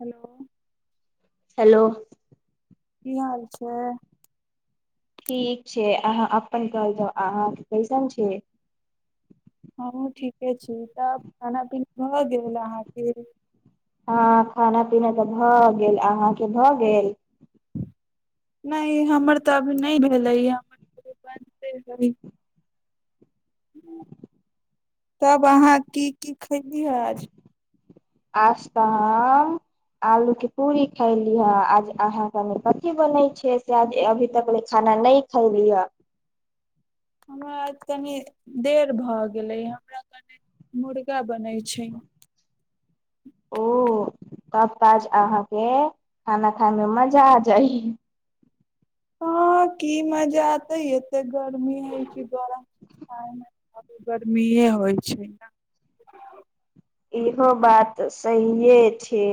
hello hello की हाल छै ठीक छै अहाँ अपन कह जाउ अहाँ कैसन छै ह ठीके छी तब खाना पीना भऽ गेल अहाँके हँ खाना पीना तऽ भऽ गेल अहाँके भऽ गेल नहि हमर तऽ अभी नहि भेलै हमर बनिते ह तब अहाँ की की खयली आज आज तऽ हम आलूके पूरी खयलीहे आज अहाँ कनि कथी बनै छैै से आज अभी तक ल खाना नहि खयलीहै हमरा कनि देर भऽ गेलै हमरा कनि मुर्गा बनैत छै ओ तब ताज अहाँके खाना खाायमे मजा आ जाइ हँ की मजा आतेै एते गर्मी हय जरा ह आ गर्मिए होइ छै ने इहो बात सहिए छै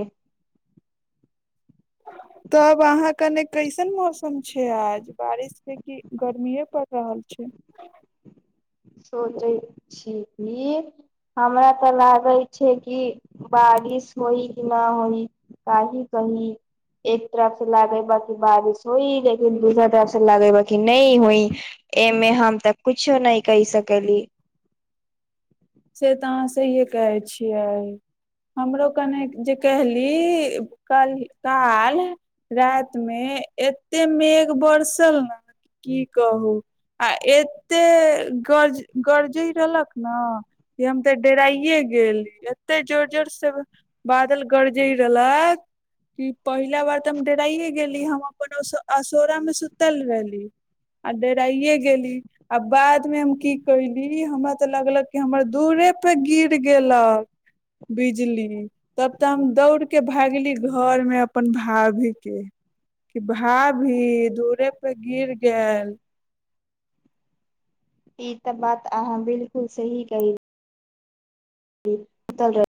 तब अहाँ कने कैसन मौसम छै आज बारिशके कि गर्मिए पड़ि रहल छै सोचे छी कि हमरा तऽ लागे छै कि बारिश होई कि नहि होई कहि की एक तरफ से लागे बा किी बारिश होई लेकिन दूसरा तरफ से लागे बा कि नहि होई एमे हम तऽ कुछो नहि कहि सकली से तऽ अहाँ सहिए कहै छियै हमरो कने जे कहली कल काल रातिमे एतेक मेघ बरसल ने की कहू आ एतेक गरज गरजैत रहलक ने हम ते डेराइे गेली एते जोर जोर से बादल गरजय रहलक कि पहिला बार तऽ हम डेराइ हे गेली हम अपन असौरा मे सुतल रहली आ डेराइे गेली आ बाद मे हम की कली हमरा ते लगलक क हमर दूरे पे गिर गेलक बिजली तब तऽ हम दौड़के भागली घरमे अपन भाभीके कि भाभी दूरे पे गिर ग ईी तऽ बात अहाँ बिलकुल सही कहई तल रह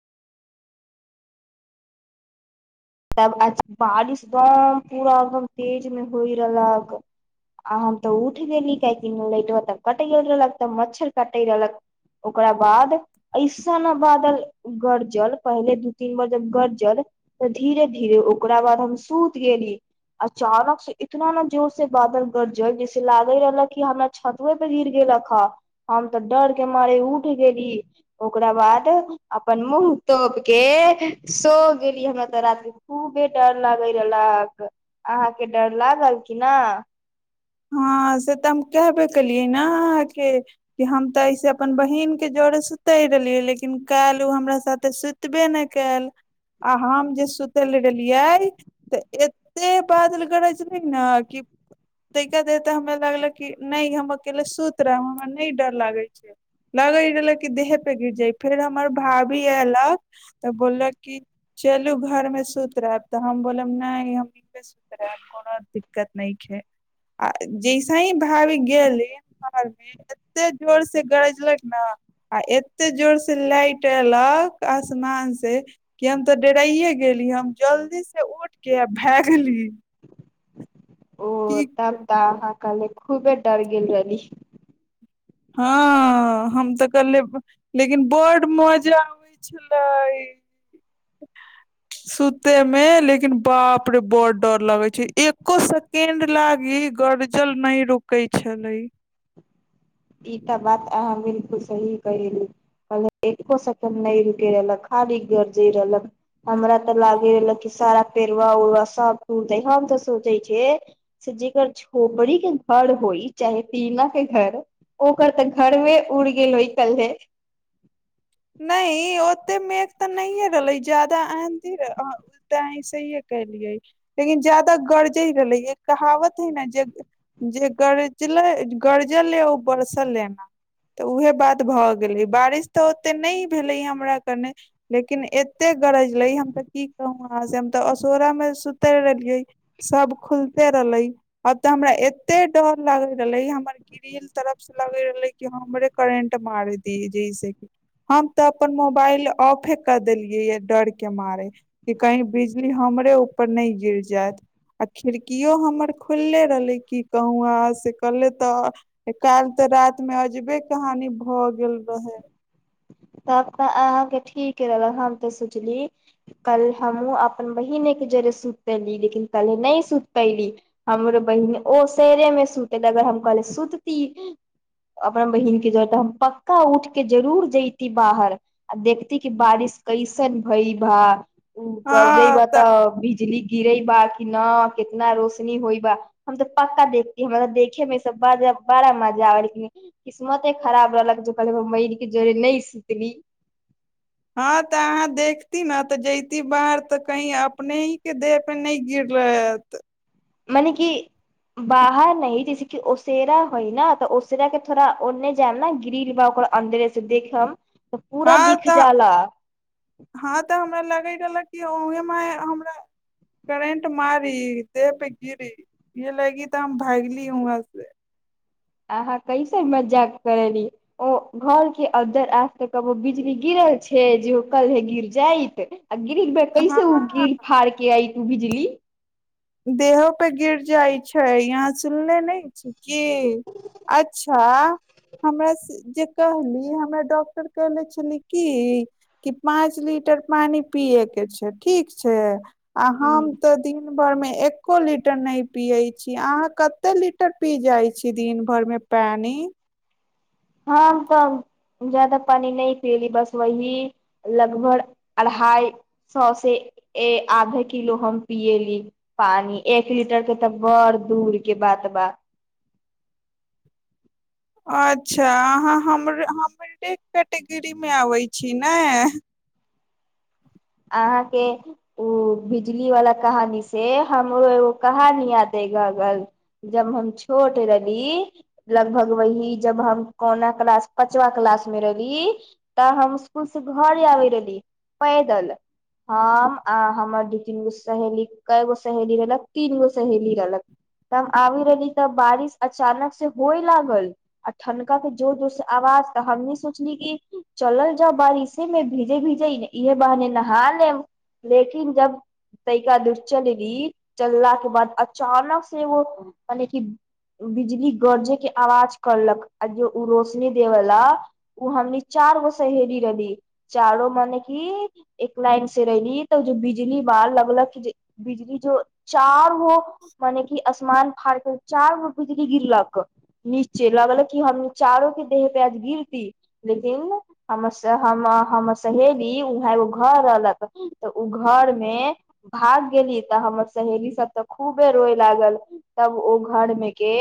तब बारिश एकदम पूरा एकदम तेज मे होइ रहलक आ हम तऽ उठ गेली काहेक लट त कट गेल रहलक तब मच्छर कटे रहलक ओकरा बाद ऐसन ने बादल गरजल पहिले दू तीन बार जब गरजल धीरे धीरे ओकरा बाद हम सुत गेली अचानक से इतना ने जोर से बादल गरजल जैसे लागे रहलक कि हमरा छतुए परे गिर गेलक ह हम ते डर के मारे उठ गेली ओकरा बाद अपन मुँह तोप के सो गेली हमरा त राती खूबे डर लागे रहलक अहााँके डर लागल की न हँ से तऽ हम कहबे केलियै ने अहाँके कि हम तऽ अइसे अपन बहीनके जरे सुतय रहलियै लेकिन काल्हि ओ हमरा साथे सुतबे नहि कयल आ हम जे सुतयल रहलियै तऽ एतेक बादल गरज नहि ने कि ताहिकेाद तऽ हमरा लागलक कि नहि हम अकेले सुति रहब हमरा नहि डर लागै छै लगैत रहलक कि देहपर गिर जाय फेर हमर भाभी अयलक तऽ बोललक कि चलू घरमे सुति रहायब तऽ हम बोलब नहि हमे सुति रहायब कोनो दिक्कत नहि छै आ जैसे ही भाभी गेली शहर मे एते जोर से गरजलक ने आ एते जोर से लाइट एलक आसमान से कि हम तऽ डेराइे गेली हम जल्दी से उठ के आ भगली ओ तप कहू त हल खूबे डर गेलल रहली हँ हम तऽ कहे लेकिन बड्ड मजा आबै छलै सुतयमे लेकिन बाप रे बड़ डर लगै छै एक्को सेकें्ड लागि गरजल नहि रुकै छलै ई तऽ बात अह सही कहली कहल एको सेकेंड नहि रुक रहलक खाली गरजे रहलक हमरा तऽ लागे रहलक सारा पेड़वा उरवा सब ूटते हम तऽ सोचे छ से जकर झोपड़ी के घर होइ चाहे पीना के घर ओकर तऽ घरमेे उड़ि गेल होहि कल्हे नहि ओते मेघ तऽ नहिे रहलै जादा आ तऽ अहसहिे केलियै लेकिन जादा गरजे रहलै कहावत है ने जे जे गरल गरजल हे ओ बरसल हे ने तऽ उहे बात भऽ गेलै बारिश तऽ ते नहि भेले हमरा कने लेकिन एते गरजलै हम तऽ की कहू अहाँ से हम तऽ असोरा मे सुते रहलियै सब खुलते रहले आब तऽ हमरा एते डर लागे रहले हमर ग्रीिल तरफ से लगे रहले कि हमरे करेंट मार दी जैस हम तऽ अपन मोबाइल ऑफे कऽ देलियैए डरके मारय कि कहीँ बिजली हमरे ऊपर नहि गिर जायत आ खिड़कियओ हमर खुलले रहलै किी कहूँ हँ से कहलै तऽ काल्हि तऽ रातिमे अजबे कह हानी भऽ गेल रहै तब तऽ अहाँके ठीक रहलक हम तऽ सोचली कल हमूँ अपन बहिने के जरे सुत पली लेकिन कले नहि सुत पली हमरो बहिन ओ शेरे मे सुतली अगर हम कहल सुतती अपना बहिन के जरे तऽ हम पक्का उठ के जरूर जयती बाहर आ देखती क बारिश कैसन भई भा गरजे बा तऽ बिजली गिरे बा न कितना रोशनी होइ बा हम तऽ पक्का देखतीै हमरा त देखे मे बड़ा मजा आबेक किस्मते खराब रहलक जे कहल मर के जोरे न सिडनी [inaudible] हँ तऽ अहाँ देखती ने तऽ जयती बाहर तऽ कही अपने ही के देह पे नहि गिर रहत मने कि बाहर न जैसेक ओसेरा हइ न तऽ ओसेरा के थोड़ा ओन्ने जायब ने गि्र बा ओकर अन्दरे से देखब हँ तऽ हँ तऽ हमरा लागैत रहल उहे मे हमरा करेंट मारी देह पे गिरी ये लगी तऽ हम भागली वहं से अहाँ कैसे मजाक करली ओ घर के अदर आज तऽ कबो बिजली गिरल छै जे ओ कल्हे गिर जाइत गिरी ब कैसे उ हँ गीर फारके आइत गिरी देहो पे गिर जाइ छै यहाँ सुनले नहि छी की अच्छा हमरा जे कहली हमरा डॉक्टर कहनेे छली की कि पाँच लीटर पानि पियए के छै ठीक छै आ हूँ हम तऽ दिन भरमे एक्को लीटर नहि पियैत छी अहाँ कतेक लीटर पी जाइत छी दिन भरिमे पानि ह तऽ जादा पानि नहि पियली बस वही लगभग अढ़ाई सए से आधा किलो हम पियली पानि एक लीटर के तऽ बड़ दूर के बात बात अच्छा अहाँ हमर हमरे कैटेगरीमे अबै छी ने अहाँके ओ बिजली वालला कहानी से हमरो एगो कहानी यादे गगल जब हम छोट रहली लगभग वही जब हम कोना क्लास पचवा क्लास मे रहली तऽ हम स्सकुल से घर आबे रहली पैदल हम आ हमर दू तीन गो सहेली क गो सहेली रहलक तीन गो सहेली रहलक तऽ हम आबी रहली तऽ बारिश अचानक से होय लागल आ ठनका के जोर जोर से आवाज तऽ हमनी सोचली कि चलल जाउ बारिशे मे भीजे भीजे इहे बहने ना हँ ने लेकिन जब तैिका दूर चल एली चलला के बाद अचानक से ओो मने कि बिजली गरजे के आवाज करलक आ जे ओ रोशनी देयवलाा ओ हमनी चार गो सहेली रहली चारो मने कि एक लाइन से रहली तऽ बिजली बार लगलक बिजली जो चार मने कि असमान फारकें चारू गो बिजली गिरलक नीचे लगलक क हम चारो के देह पे आज गिरती लेकिन सहेली उहागो घर रहलक तऽ ओ घर मे भाग गेली तऽ हमर सहेली सब तऽ खूबे रोय लागल तब ओ घर मे के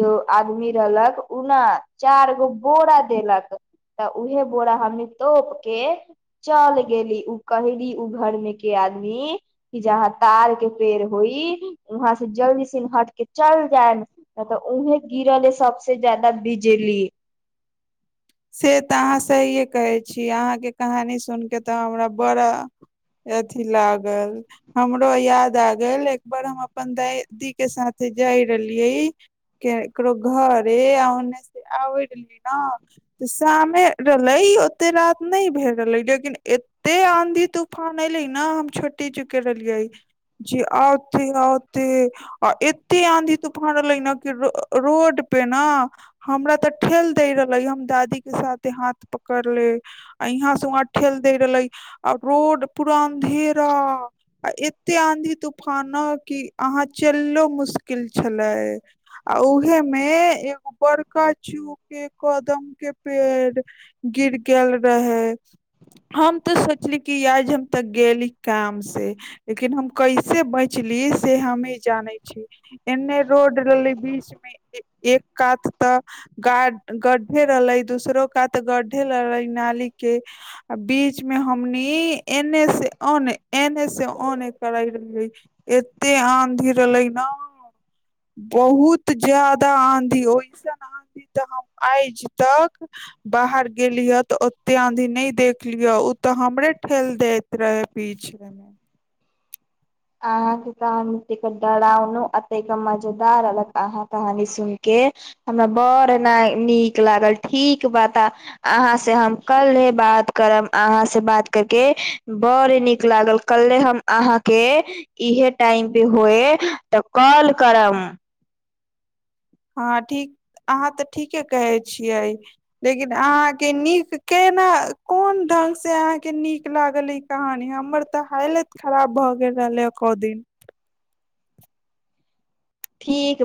जो आदमी रहलक उना चार गो बोरा देलक तऽ उहे बोरा हमनी तोप के चल गेली उ कहली उ घर मे के आदमी कि जहाँ तार के पेड़ होई वहाँ से जल्दी सिन्हट के चल जाय तऽ उहे गिरले सबस ज्यादा बिजली से तऽ अहाँ सहिए कहै छीिय अहाँके कहानी सुनि कऽ तऽ हमरा बड़ा अथिी लागल हमरो याद आगल एकबार हम अपन ददीके साथे जाय रहलियै ककरो घरे आ ओन्नेसँ आबै रहलियै ने शामे रहले ओते रात नहि भेल रहले लेकिन एते आंधी तूफान एले न हम छुट्टी चुके रहलिये ज औते औते आ एते आंधी तूफान एले न कि रोड पे ने हमरा ते ठेल दे रहले हम दादी के साथे हाथ पकड़ ले आ यहाँ से उहाँ ठेल दे रहले आ रोड पुरान ढेर रात आ एत्ते आंधी तूफान की अहााँ चललो मुश्किल छले आ उऊहे मे एगो बड़का चू के कदम के पेड़ गिर गेल रहे हम तो सोचली कि याज हम तऽ गेली काम से लेकिन हम कैसे बचली से हमे जाने छी एने रोड रहले बीच मे एक कात तऽ ग गड्ढे रहले दोसरो कात गड्ढे ल रहले नाली के आ बीच में हमनी एने से ऑने एने से ऑने करे रहले एते आंधी रहले न बहुत जादा आंधी ऐसन आधी ते हम आज तक बाहर गेलियै तऽ ओते आधी नहि देख लियह ओ तऽ हमरे ठेल दैत रहे पीछमे अहाँके कहानी त डराउन अत मजेदार अलक अहाँ कहानी सुन के हमरा बड़ ने नीक लागल ठीक बात अहाँ से हम कल्े बात करब अहाँ से बात करके बड़ नीक लागल कल्हे हम अहाँके इहे टाइम पे होए तऽ कल करम हँ ठीक अहाँ तऽ ठीके कहै छियै लेकिन अहाँके नीक केना कोन ढङ्गसँ अहाँके नीक लागल ई कहानी हमर तऽ हालत खराब भऽ गेल रहलैए कहु दिन ठीकबा